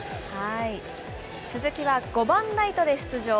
鈴木は５番ライトで出場。